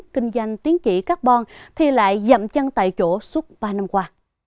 kinh doanh tính trị carbon thì lại dậm chăn tại chỗ suốt ba năm qua